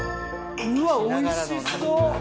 うわっおいしそう。